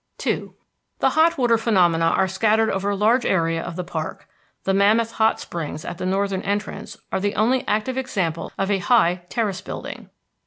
II The hot water phenomena are scattered over a large area of the park. The Mammoth Hot Springs at the northern entrance are the only active examples of high terrace building.